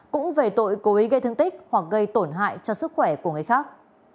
cũng về tội cố ý gây thương tích hoặc gây tổn hại cho sức khỏe của người khác